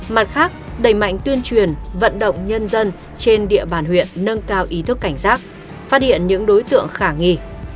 mặt khác đẩy mạnh tuyên truyền vận động nhân dân trên địa bàn huyện nâng cao ý thức cảnh giác phát hiện những đối tượng khả nghi